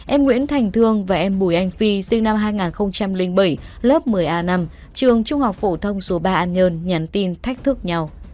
em nguyễn thành thương và em bùi anh phi sinh năm hai nghìn bảy lớp một mươi a năm trường trung học phổ thông số ba an nhơn nhắn tin thách thức nhau